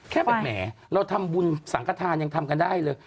แค่แบบแหมเราทำบุญสังขทานยังทำกันได้เลย